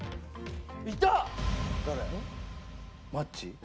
いた。